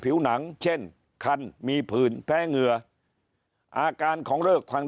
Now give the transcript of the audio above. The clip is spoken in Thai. ผิวหนังเช่นคันมีผื่นแพ้เหงื่ออาการของเลิกทาง